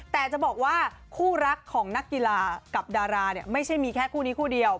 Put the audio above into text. แต่จะบอกว่าคู่รักของนักกีฬากับดาราเนี่ยไม่ใช่มีแค่คู่นี้คู่เดียว